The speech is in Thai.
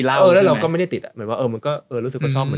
แล้วเราก็ไม่ได้ติดอะรู้สึกก็ชอบเหมือนกัน